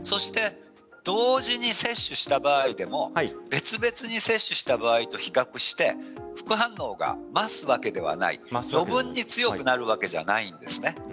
同時に接種した場合でも別々に接種した場合と比較して副反応が増すわけではない余分に強くなるわけではないんですね。